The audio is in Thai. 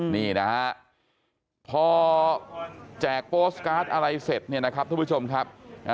นี่นะฮะพอแจกโปสตการ์ดอะไรเสร็จเนี่ยนะครับทุกผู้ชมครับ